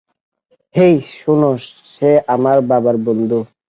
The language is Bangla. হেই, শোন, সে আমার বাবার বন্ধু।